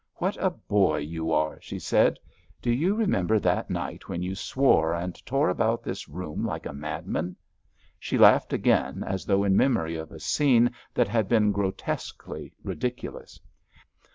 "What a boy you are," she said. "Do you remember that night when you swore and tore about this room like a madman?" She laughed again, as though in memory of a scene that had been grotesquely ridiculous.